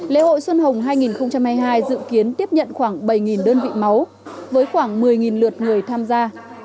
lễ hội xuân hồng hai nghìn hai mươi hai dự kiến tiếp nhận khoảng bảy đơn vị máu với khoảng một mươi lượt người tham gia